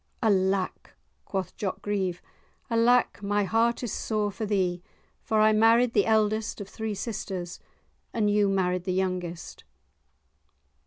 "Alack!" quoth Jock Grieve, "alack, my heart is sore for thee! for I married the eldest of three sisters, and you married the youngest."